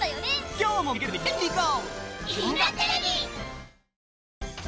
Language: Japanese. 今日もめげずに元気にいこう！